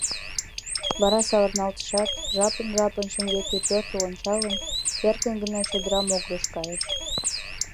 Вара савырналтышат, жапын-жапын шеҥгекше пӧртыл ончалын, эркын гына чодыра могырыш кайыш.